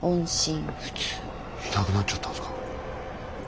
いなくなっちゃったんすか？